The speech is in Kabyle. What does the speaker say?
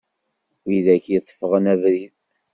Widak i teffɣen abrid.